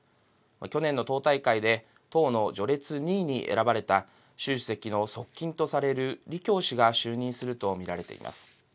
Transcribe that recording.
去年の党大会で党の序列２位に選ばれた習主席の側近とされる李強氏が就任すると見られています。